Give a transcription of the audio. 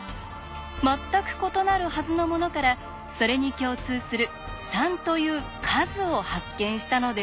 全く異なるはずのものからそれに共通する「３」という「数」を発見したのです。